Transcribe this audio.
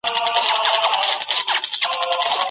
مونږ باید د نورو خلکو د حالاتو او چیلنجونو په اړه خبر سو.